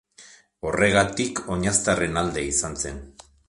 Horregatik, oinaztarren alde izan zen.